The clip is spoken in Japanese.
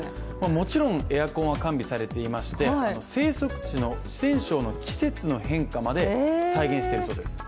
もちろんエアコンは完備されていまして生息地の四川省の季節の変化まで再現しているそうです。